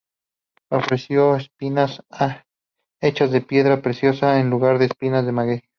Ofreció espinas hechas de piedras preciosas en lugar de espinas de maguey.